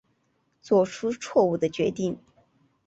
做出错误的决定